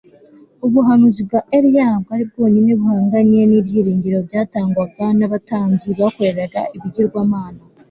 Ubuhanuzi bwa Eliya bwari bwonyine buhanganye nibyiringiro byatangwaga nabatambyi bakoreraga ibigirwamana